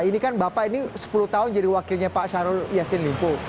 ini kan bapak ini sepuluh tahun jadi wakilnya pak syahrul yassin limpo